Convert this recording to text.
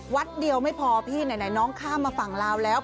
วัดเดียวไม่พอพี่ไหนน้องข้ามมาฝั่งลาวแล้ว